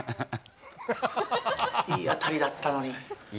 いい当たりだったのに。